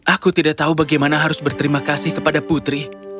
aku tidak tahu bagaimana harus berterima kasih kepada putri